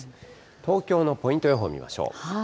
東京のポイント予報見ましょう。